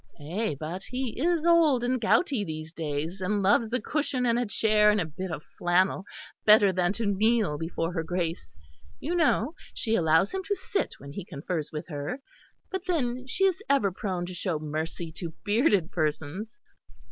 Eh! but he is old and gouty these days; and loves a cushion and a chair and a bit of flannel better than to kneel before her Grace. You know, she allows him to sit when he confers with her. But then, she is ever prone to show mercy to bearded persons....